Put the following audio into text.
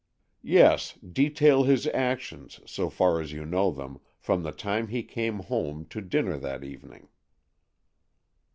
"Yes; detail his actions, so far as you know them, from the time he came home to dinner that evening."